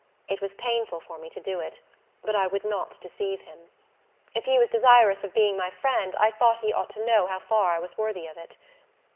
It was painful for me to do it; but I would not deceive him. If he was desirous of being my friend, I thought he ought to know how far I was worthy of it.